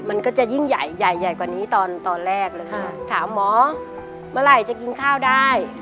มันก็จะยิ่งใหญ่ใหญ่ใหญ่กว่านี้ตอนตอนแรกเลยค่ะถามหมอเมื่อไหร่จะกินข้าวได้